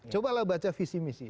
cobalah baca visi misi